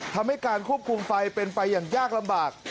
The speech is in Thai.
ทำให้การควบคุมไฟเป็นไปอย่างยากลำบาก